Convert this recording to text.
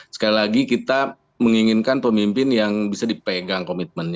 sekali lagi kita menginginkan pemimpin yang bisa dipegang komitmennya